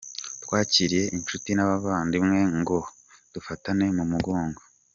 Twakiriye inshuti n’abavandimwe ngo dufatane mu mugongo.